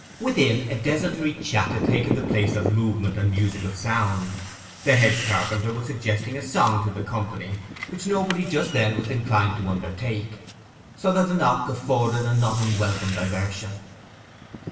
Within, a desultory chat had taken the place of movement and musical sound. The hedge carpenter was suggesting a song to the company, which nobody just then was inclined to undertake, so that the knock afforded a not unwelcome diversion.